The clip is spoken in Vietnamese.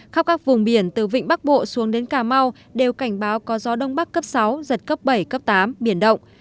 khắp các vùng biển từ vịnh bắc bộ xuống đến cà mau đều cảnh báo có gió đông bắc cấp sáu giật cấp bảy cấp tám biển động